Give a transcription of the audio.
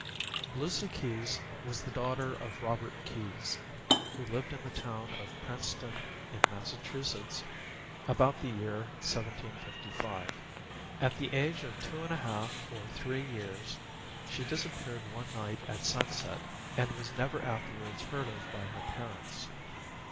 I. Lucy Keyes was the daughter of Robert Keyes, who lived in the town of Princeton, in Massachusetts, about the year 1755. At the age of two and a half or three years, she disappeared one night at sunset, and was never afterwards heard of by her parents.